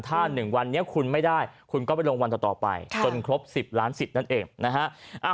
ถ้า๑วันนี้คุณไม่ได้คุณก็ไปลงวันต่อไปจนครบ๑๐ล้านสิทธิ์นั่นเองนะฮะ